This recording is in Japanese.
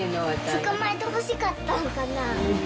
捕まえてほしかったのかな。